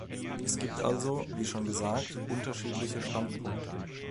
Es gibt also, wie schon gesagt, unterschiedliche Standpunkte.